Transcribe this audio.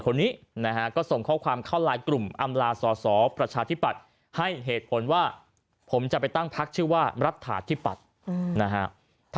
สสชนบูรีย์ีเขาส่งข้อความเข้าไลน์กลุ่มอำลาสศประชาธิปัตย์ให้เหตุผลว่าผมจะไปตั้งพักษ์ชื่อว่ารับถาธิปัตย์